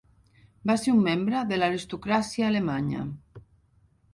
Va ser un membre de l'aristocràcia alemanya.